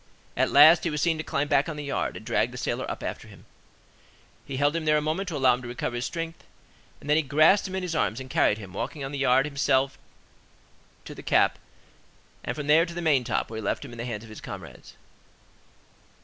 At last, he was seen to climb back on the yard, and to drag the sailor up after him; he held him there a moment to allow him to recover his strength, then he grasped him in his arms and carried him, walking on the yard himself to the cap, and from there to the main top, where he left him in the hands of his comrades.